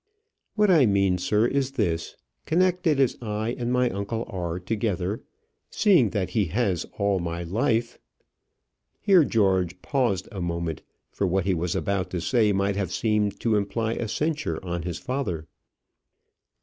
"What I mean, sir, is this. Connected as I and my uncle are together, seeing that he has all my life " Here George paused a moment, for what he was about to say might have seemed to imply a censure on his father.